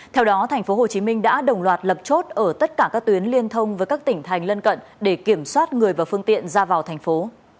theo đó tp hcm đã đồng loạt lập chốt ở tất cả các tuyến liên thông với các tỉnh thành lân cận để kiểm soát người và phương tiện ra vào thành phố